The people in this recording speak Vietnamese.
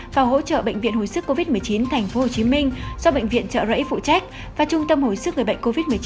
và hỗ trợ bệnh viện hồi sức covid một mươi chín tp hcm do bệnh viện trợ rẫy phụ trách và trung tâm hồi sức người bệnh covid một mươi chín